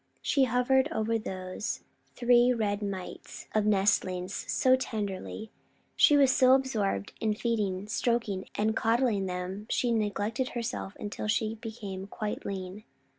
She hovered over those three red mites of nestlings so tenderly! She was so absorbed in feeding, stroking, and coddling them she neglected herself until she became quite lean.